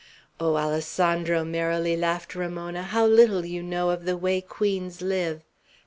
"Oh, Alessandro," merrily laughed Ramona, "how little you know of the way queens live!